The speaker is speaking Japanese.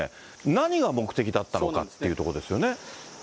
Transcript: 何が目的だったのかっていうところですよね。